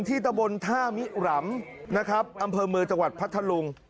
ตะบนท่ามิรำนะครับอำเภอเมืองจังหวัดพัทธลุง